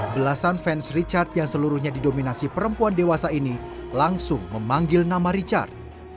belasan fans richard yang seluruhnya didominasi perempuan dewasa ini langsung memanggil nama richard